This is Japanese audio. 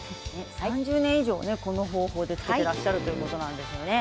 ３０年以上この方法で作っていらっしゃるということなんです。